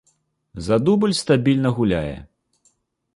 За дубль стабільна гуляе.